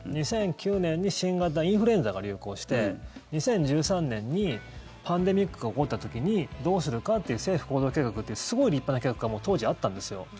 ２００９年に新型インフルエンザが流行して２０１３年にパンデミックが起こった時にどうするかっていう政府行動計画っていうすごい立派な計画がもう当時、あったんですよ。